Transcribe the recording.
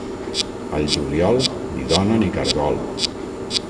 Al juliol ni dona ni cargol!